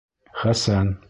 Хәсән